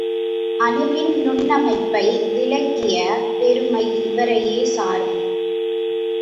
அணுவின் நுண்ணமைப்பை விளக்கிய பெருமை இவரையே சாரும்.